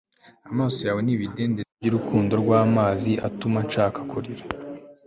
amaso yawe ni ibidendezi byurukundo rwamazi atuma nshaka kurira